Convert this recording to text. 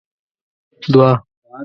دوه